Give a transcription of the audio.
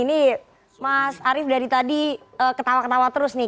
ini mas arief dari tadi ketawa ketawa terus nih